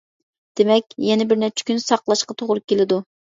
دېمەك، يەنە بىر نەچچە كۈن ساقلاشقا توغرا كېلىدۇ.